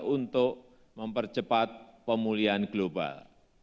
untuk mempercepat pemulihan global